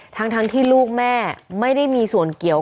ทั้งที่ลูกแม่ไม่ได้มีส่วนเกี่ยว